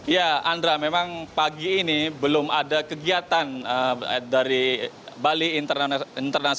ya andra memang pagi ini belum ada kegiatan bali interhash dua ribu enam belas